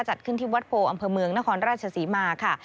จัดขึ้นที่วัดโพอำเภอเมืองนครราชศรีมาค่ะ